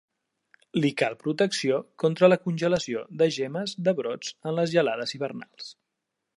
Li cal protecció contra la congelació de gemmes de brots en les gelades hivernals.